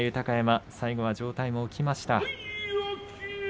最後は上体が起きました。